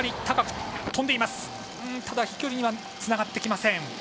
飛距離にはつながってきません。